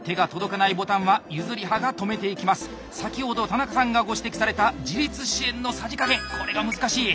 先ほど田中さんがご指摘された自立支援のさじ加減これが難しい。